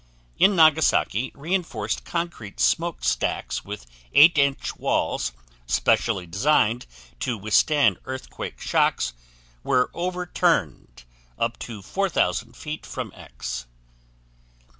In Nagasaki, reinforced concrete smoke stacks with 8" walls, specially designed to withstand earthquake shocks, were overturned up to 4,000 feet from X.